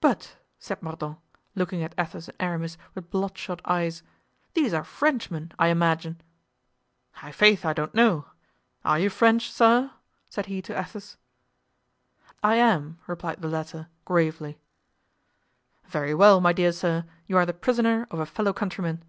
"But," said Mordaunt, looking at Athos and Aramis with bloodshot eyes, "these are Frenchmen, I imagine." "I'faith, I don't know. Are you French, sir?" said he to Athos. "I am," replied the latter, gravely. "Very well, my dear sir, you are the prisoner of a fellow countryman."